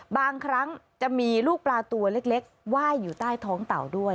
บางครั้งจะมีลูกปลาตัวเล็กไหว้อยู่ใต้ท้องเต่าด้วย